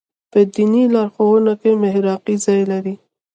په دیني لارښوونو کې محراقي ځای لري.